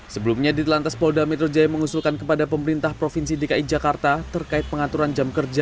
sebelumnya di telantas polda metro jaya mengusulkan kepada pemerintah provinsi dki jakarta terkait pengaturan jam kerja